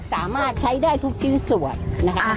สามารถใช้ได้ทุกส่วนนะครับ